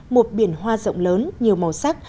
một biển hoa rộng lớn nhiều màu sắc